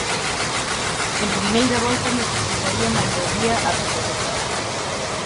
En primeira volta, necesitaría maioría absoluta.